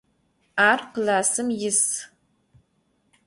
Ar klassım yis.